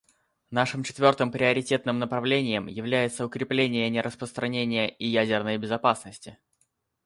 Нашим четвертым приоритетным направлением является укрепление нераспространения и ядерной безопасности.